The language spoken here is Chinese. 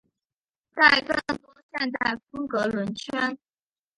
带更多现代风格轮圈。